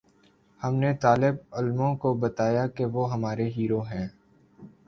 ہم نے طالب علموں کو بتایا کہ وہ ہمارے ہیرو ہیں۔